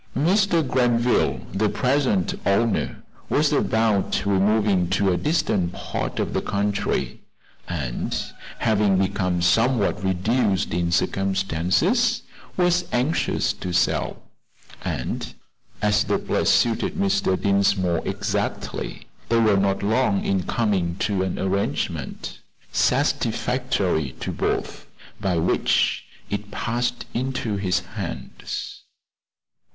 Mr. Granville, the present owner, was about removing to a distant part of the country, and having become somewhat reduced in circumstances, was anxious to sell, and as the place suited Mr. Dinsmore exactly, they were not long in coming to an arrangement, satisfactory to both, by which it passed into his hands.